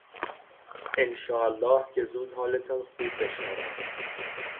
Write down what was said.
انشاالله که زود حالتان خوب بشود.